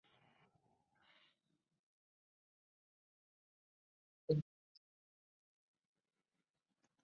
Many of the strikers never worked for Fulton Bag and Cotton again.